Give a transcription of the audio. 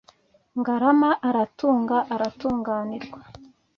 Ngarama aratunga, aratunganirwa